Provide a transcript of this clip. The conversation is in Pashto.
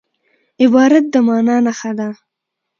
عبارت د مانا نخښه ده.